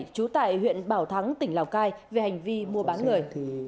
trú tại huyện bảo thắng tỉnh lào cai về hành vi mua bán người